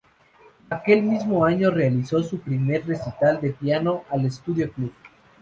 Aquel mismo año realizó su primer recital de piano al Studio club.